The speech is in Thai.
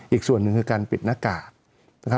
อีกส่วนหนึ่งคือการปิดหน้ากาก